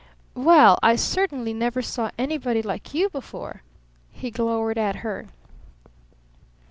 "Well I certainly never saw anybody like you before!" he glowered at her.